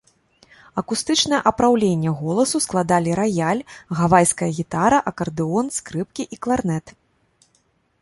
Акустычнае апраўленне голасу складалі раяль, гавайская гітара, акардэон, скрыпкі і кларнет.